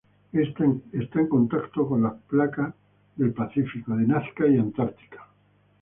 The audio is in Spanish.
Está en contacto con las placas del Pacífico, de Nazca y Antártica.